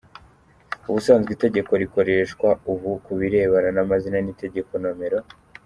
Ubusanzwe itegeko rikoreshwa ubu ku birebana n’amazina ni itegeko No.